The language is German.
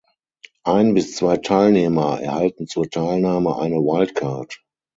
Ein bis zwei Teilnehmer erhalten zur Teilnahme eine Wildcard.